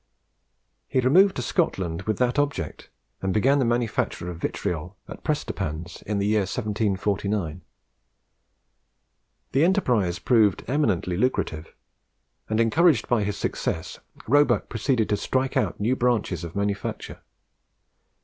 He removed to Scotland with that object, and began the manufacture of vitriol at Prestonpans in the year 1749. The enterprise proved eminently lucrative, and, encouraged by his success, Roebuck proceeded to strike out new branches of manufacture.